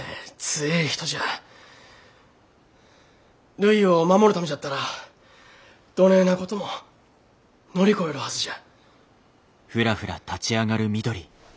るいを守るためじゃったらどねえなことも乗り越えるはずじゃ。